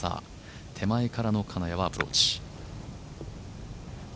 手前からの金谷のアプローチ。